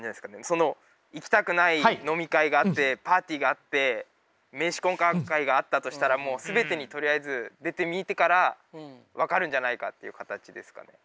その行きたくない飲み会があってパーティーがあって名刺交換会があったとしたらもう全てにとりあえず出てみてから分かるんじゃないかっていう形ですかね。